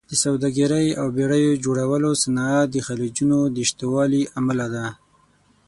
د سوداګرۍ او بېړیو جوړولو صنعت د خلیجونو د شتوالي امله دی.